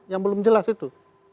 yang belum jelas itu